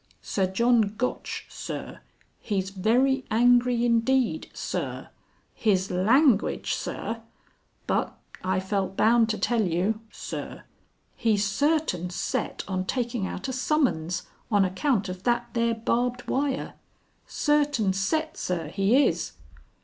"Sir John Gotch, Sir. He's very angry indeed, Sir. His language, Sir . But I felt bound to tell you, Sir. He's certain set on taking out a summons on account of that there barbed wire. Certain set, Sir, he is."